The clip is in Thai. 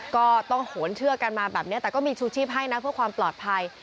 ก็ต้องโหนเชือกกันมาแบบนี้แต่ก็มีชูชีพให้นะเพื่อความปลอดภัย